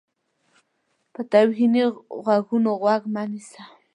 په توهیني غږونو غوږ مه نیسه.